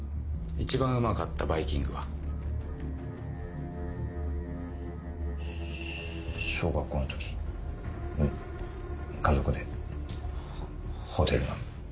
一番うまかったバイキングは？小学校の時家族でホテルの。